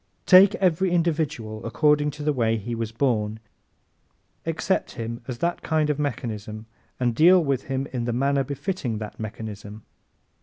Take every individual according to the way he was born, accept him as that kind of mechanism and deal with him in the manner befitting that mechanism.